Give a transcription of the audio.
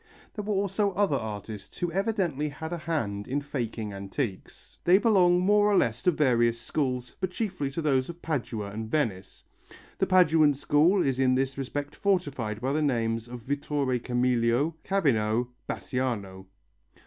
There were also other artists who evidently had a hand in faking antiques. They belong more or less to various schools, but chiefly to those of Padua and Venice. The Paduan school is in this respect fortified by the names of Vittore Camelio, Cavino, Bassiano.